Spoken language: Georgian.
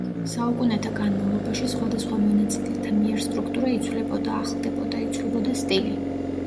საუკუნეთა განმავლობაში, სხვადასხვა მონაწილეთა მიერ სტრუქტურა იცვლებოდა, ახლდებოდა, იცვლებოდა სტილი.